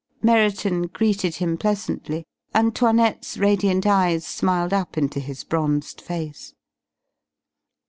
Merriton greeted him pleasantly, and 'Toinette's radiant eyes smiled up into his bronzed face.